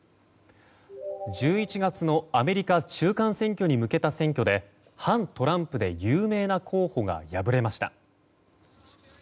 １１月のアメリカ中間選挙に向けた選挙で反トランプで有名な候補が敗れました。